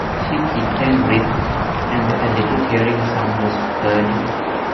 She kicked and writhed, and a little tearing sound was heard.